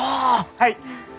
はい。